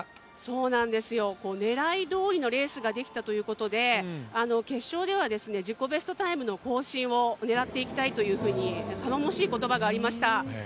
そうなんですよ、狙いどおりのレースができたということで、決勝では自己ベストタイムの更新を狙っていきたいと頼もしい言葉がありました。